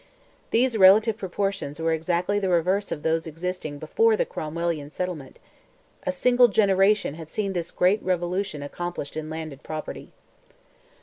These relative proportions were exactly the reverse of those existing before the Cromwellian settlement; a single generation had seen this great revolution accomplished in landed property.